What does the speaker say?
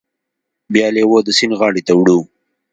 بیا لیوه د سیند غاړې ته وړو.